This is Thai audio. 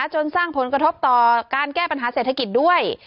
จนสร้างผลกระทบต่อการแก้ปัญหาเศรษฐกิจด้วย